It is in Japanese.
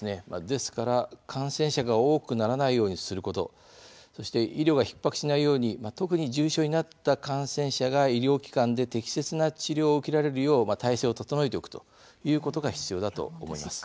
ですから、感染者が多くならないようにすることそして医療がひっ迫しないように特に重症になった感染者が医療機関で適切な治療を受けられるよう体制を整えておくということが必要だと思います。